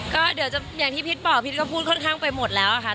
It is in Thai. ก็เดี๋ยวจะอย่างที่พีชบอกพีชก็พูดค่อนข้างไปหมดแล้วอะค่ะ